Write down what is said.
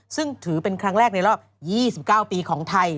ซึ่งถือเป็นครั้งแรกในรอบ๒๙ปีของไทย